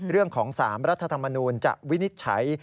เรื่องของ๓รัฐธรรมนูลจะวินิจฉัย